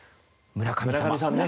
村上さんね。